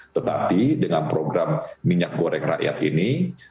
tetapi dengan program minyak goreng rakyat ini